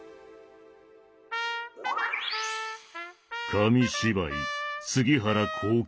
紙芝居「杉原厚吉